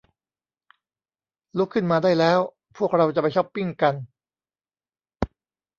ลุกขึ้นมาได้แล้ว พวกเราจะไปช๊อปปิ้งกัน